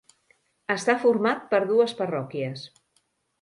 Està format per dues parròquies: